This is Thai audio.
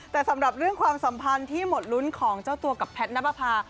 แต่สำหรับเรื่องความสัมพันธ์ที่หมดลุ้นของเจ้าตัวกับแพทย์นับประพา